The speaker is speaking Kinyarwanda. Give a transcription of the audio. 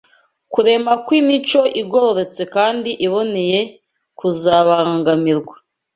kuremwa kw’imico igororotse kandi iboneye kuzabangamirwa